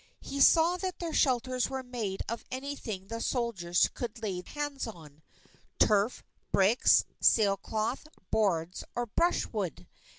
He saw that their shelters were made of anything the soldiers could lay hands on, turf, bricks, sail cloth, boards, or brushwood.